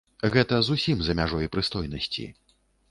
Гэта зусім за мяжой прыстойнасці.